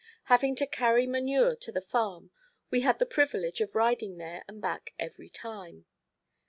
Having to carry manure to the farm we had the privilege of riding there and back every time.